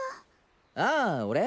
ああ俺？